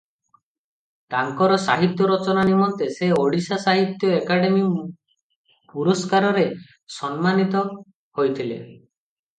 ତାଙ୍କର ସାହିତ୍ୟ ରଚନା ନିମନ୍ତେ ସେ ଓଡ଼ିଶା ସାହିତ୍ୟ ଏକାଡେମୀ ପୁରସ୍କାରରେ ସମ୍ମାନୀତ ହୋଇଥିଲେ ।